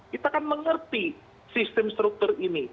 kita kan mengerti sistem struktur ini